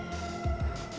lo kenapa kabur jawab